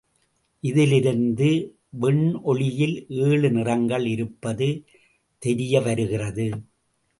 இதிலிருந்து வெண்ணொளியில் ஏழு நிறங்கள் இருப்பது தெரிய வருகிறது.